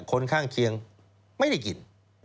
คนข้างเคียงไม่ได้กิน